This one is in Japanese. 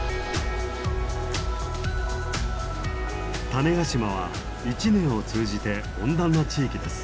種子島は一年を通じて温暖な地域です。